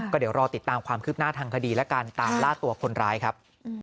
ก็เดี๋ยวรอติดตามความคืบหน้าทางคดีและการตามล่าตัวคนร้ายครับ